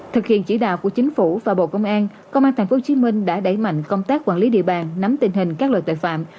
thực hiện chỉ đạo của chính phủ và bộ công an công an tp hcm đã đẩy mạnh công tác quản lý địa bàn nắm tình hình các loại tội phạm